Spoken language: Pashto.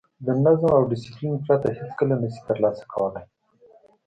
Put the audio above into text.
د نظم او ډیسپلین پرته هېڅکله نه شئ ترلاسه کولای.